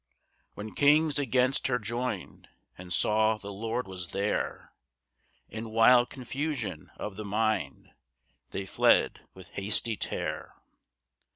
4 When kings against her join'd, And saw the Lord was there, In wild confusion of the mind They fled with hasty tear.